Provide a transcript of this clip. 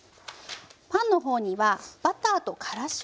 パンの方にはバターとからしを塗ります。